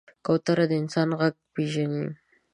کوتره د انسان غږ پېژني.